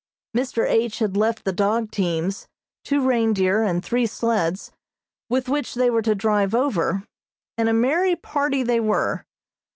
Mr. H. had left the dog teams, two reindeer, and three sleds, with which they were to drive over, and a merry party they were.